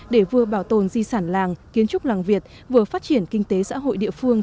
để vừa bảo tồn di sản làng kiến trúc làng việt vừa phát triển kinh tế xã hội địa phương